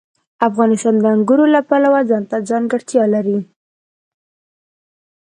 افغانستان د انګور د پلوه ځانته ځانګړتیا لري.